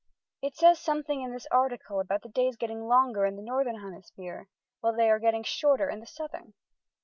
It says something in this article about the days getting longer in the Northern Hemisphere, while they are getting shorter in the Southern."